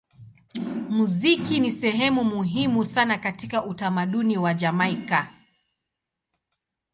Muziki ni sehemu muhimu sana katika utamaduni wa Jamaika.